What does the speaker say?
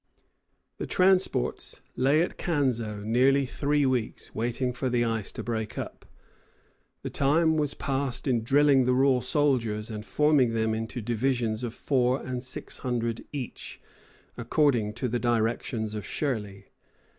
The transports lay at Canseau nearly three weeks, waiting for the ice to break up. The time was passed in drilling the raw soldiers and forming them into divisions of four and six hundred each, according to the directions of Shirley.